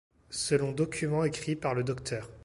Selon document écrit par le Dr.